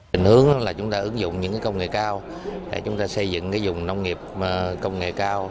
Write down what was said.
định hướng là chúng ta ứng dụng những công nghệ cao để chúng ta xây dựng dùng nông nghiệp công nghệ cao